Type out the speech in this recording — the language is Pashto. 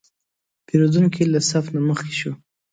پیرودونکی له صف نه مخکې شو.